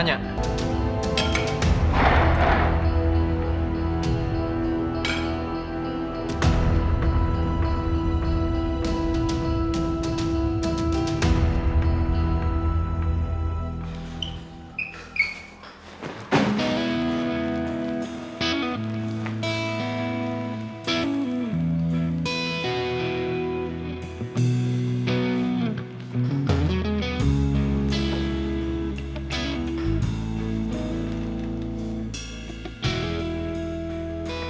nanti aku akan coba